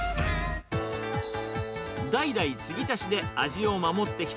代々つぎ足しで味を守ってきた